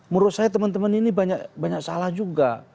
menurut saya teman teman ini banyak salah juga